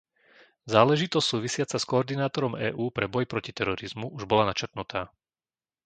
Záležitosť súvisiaca s koordinátorom EÚ pre boj proti terorizmu už bola načrtnutá.